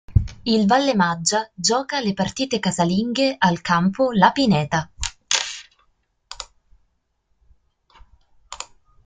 Il Vallemaggia gioca le partite casalinghe al Campo La Pineta.